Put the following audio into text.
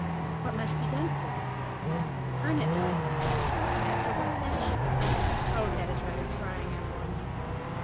"What must be done for it?" "Earn it, parbleu!" "And after what fashion?" "Oh! that is rather trying, I warn you."